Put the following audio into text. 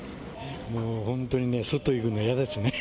もう本当にね、外行くのが嫌ですね。